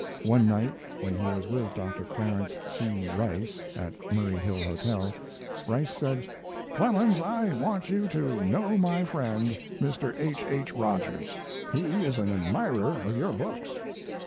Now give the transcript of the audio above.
One night, when he was with Dr. Clarence C. Rice at the Murray Hill Hotel, Rice said: "Clemens, I want you to know my friend, Mr. H. H. Rogers. He is an admirer of your books."